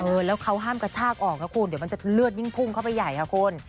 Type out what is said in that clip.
เออแล้วเขาห้ามกระชากออกนะคุณเดี๋ยวมันจะเลือดยิ่งพุ่งเข้าไปใหญ่ค่ะคุณ